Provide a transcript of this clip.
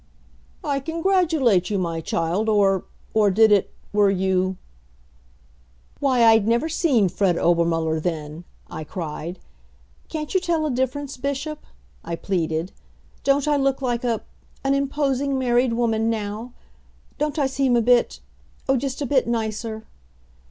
"I congratulate you, my child, or or did it were you " "Why, I'd never seen Fred Obermuller then," I cried. "Can't you tell a difference, Bishop?" I pleaded. "Don't I look like a an imposing married woman now? Don't I seem a bit oh, just a bit nicer?"